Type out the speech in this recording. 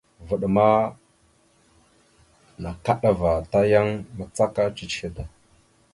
Vvaɗ ma nakaɗava ta yan macaka ciche da.